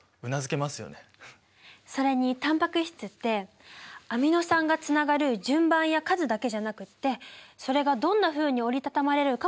それにタンパク質ってアミノ酸がつながる順番や数だけじゃなくてそれがどんなふうに折り畳まれるかも重要なの。